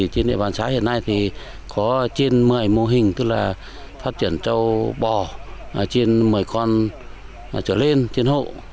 trên địa bàn xã hiện nay thì có trên một mươi mô hình tức là phát triển châu bò trên một mươi con trở lên trên hộ